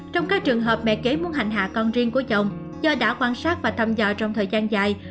trong các trường hợp mẹ kế muốn hành hạ con riêng của chồng do đã quan sát và thăm dò trong thời gian dài